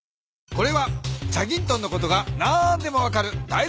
これは『チャギントン』のことが何でも分かるだい